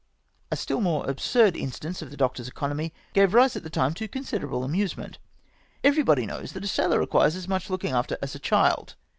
A still more absurd instance of the doctor's economy gave rise at the time to considerable amusement. Every body knows that a sailor requires as much looking after as a child.